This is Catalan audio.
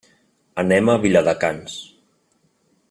Anem a Viladecans.